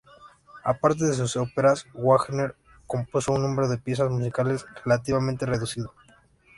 Aparte de sus óperas, Wagner compuso un número de piezas musicales relativamente reducido.